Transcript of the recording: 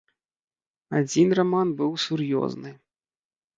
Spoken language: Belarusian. Адзін раман быў сур'ёзны.